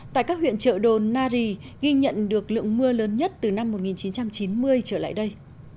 tại các huyện trợ đồn nari ghi nhận được lượng mưa lớn nhất từ năm một nghìn chín trăm chín mươi trở lại đây